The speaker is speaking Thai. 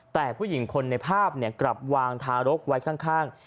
แต่ผู้หญิงคนในภาพกลับวางทารกไว้ข้าง